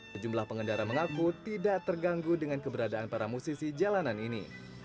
sejumlah pengendara mengaku tidak terganggu dengan keberadaan para musisi jalanan ini